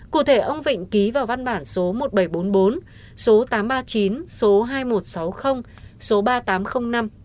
cụ thể ông vịnh ký vào văn bản số một nghìn bảy trăm bốn mươi bốn số tám trăm ba mươi chín số hai nghìn một trăm sáu mươi số ba nghìn tám trăm linh năm